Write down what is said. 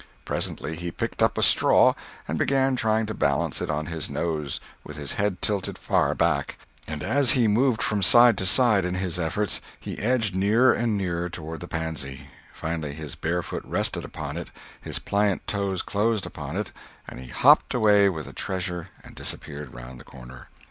Presently he picked up a straw and began trying to balance it on his nose, with his head tilted far back; and as he moved from side to side, in his efforts, he edged nearer and nearer toward the pansy; finally his bare foot rested upon it, his pliant toes closed upon it, and he hopped away with the treasure and disappeared round the corner.